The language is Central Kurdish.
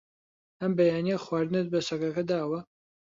ئەم بەیانییە خواردنت بە سەگەکە داوە؟